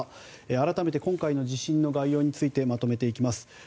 改めて今回の地震の概要についてまとめていきます。